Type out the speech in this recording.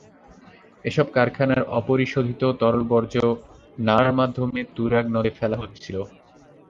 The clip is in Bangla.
এসব কারখানার অপরিশোধিত তরল বর্জ্য নালার মাধ্যমে তুরাগ নদে ফেলা হচ্ছিল।